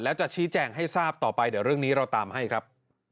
แล้วจะชี้แจงให้ทราบต่อไปเดี๋ยวเรื่องนี้เราตามให้ครับ